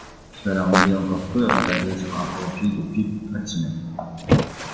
Cela la rendait encore peu avantageuse par rapport au fil de cuivre traditionnel.